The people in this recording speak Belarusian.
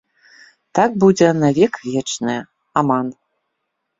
Так будзе на век вечныя аман!